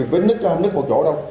vì vết nứt nó không nứt một chỗ đâu